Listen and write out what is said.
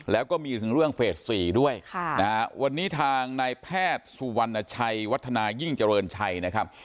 แล้วก็มีถึงเรื่องเฟส๔ด้วยวันนี้ทางนายแพทย์สุวรรณชัยวัฒนายิ่งเจริญชัยนะครับ